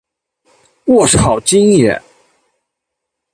我超，京爷